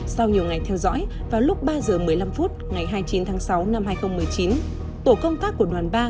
sau nhiều ngày theo dõi vào lúc ba h một mươi năm phút ngày hai mươi chín tháng sáu năm hai nghìn một mươi chín tổ công tác của đoàn ba